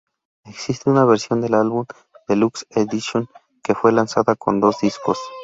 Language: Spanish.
Existe una versión del álbum "Deluxe edition" que fue lanzada con dos discos.